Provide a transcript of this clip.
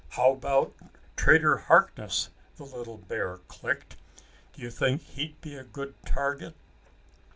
"How about Trader Harkness?" the little bear clicked. "Do you think he'd be a good target?"